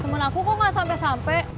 temen aku kok gak sampe sampe